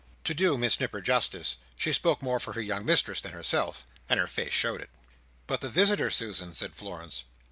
To do Miss Nipper justice, she spoke more for her young mistress than herself; and her face showed it. "But the visitor, Susan," said Florence.